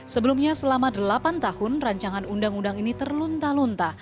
sebelumnya selama delapan tahun rancangan undang undang ini terlunta lunta